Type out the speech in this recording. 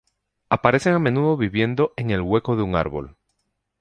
Aparecen a menudo viviendo en el hueco de un árbol.